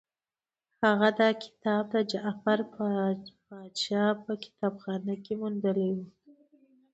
هغه دا کتاب د جعفر پاشا په کتابخانه کې موندلی وو.